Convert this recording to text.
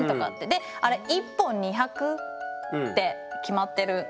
であれ１本２００って決まってる。